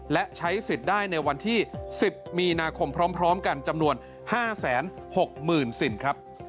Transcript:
และใช้สิทธิ์ได้ในวันที่๑๐มีนาคมพร้อมกันจำนวน๕๖๐๐๐สิ่งครับ